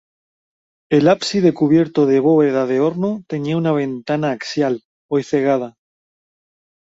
El ábside cubierto de bóveda de horno tenía una ventana axial, hoy cegada.